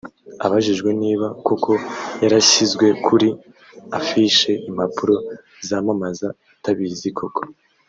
Abajijwe niba koko yarashyizwe kuri affiche(impapuro zamamaza) atabizi koko